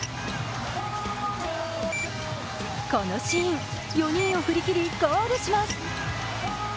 このシーン、４人を振り切りゴールします。